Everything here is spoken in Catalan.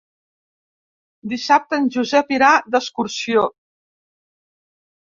Dissabte en Josep irà d'excursió.